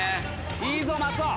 いいぞ松尾。